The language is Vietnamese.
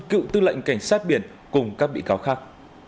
cựu tư lệnh cảnh sát biển cùng các bị cáo khác